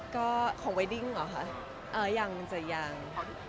ก็ของเวดดิ้งเหรอคะยังจะยัง